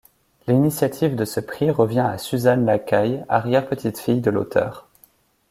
L'initiative de ce prix revient à Suzanne Lacaille, arrière-petite-fille de l'auteur.